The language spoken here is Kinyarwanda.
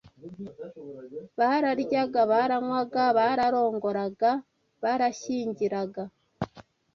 bararyaga, baranywaga, bararongoraga, barashyingiraga,